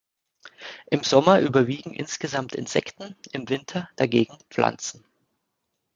Im Sommer überwiegen insgesamt Insekten, im Winter dagegen Pflanzen.